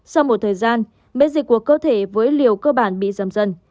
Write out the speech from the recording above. sau một thời gian biến dịch của cơ thể với liều cơ bản bị giầm dân